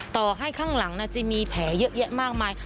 ต่อให้ข้างหลังจะมีแผลเยอะแยะมากมาย